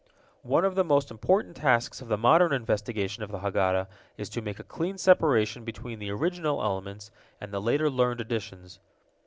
One of the most important tasks of the modern investigation of the Haggadah is to make a clean separation between the original elements and the later learned additions.